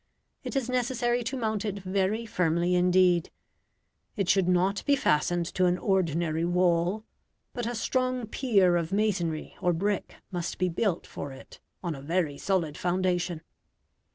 It is necessary to mount it very firmly indeed. It should not be fastened to an ordinary wall, but a strong pier of masonry or brick must be built for it on a very solid foundation.